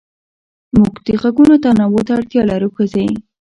موږ د غږونو تنوع ته اړتيا لرو ښځې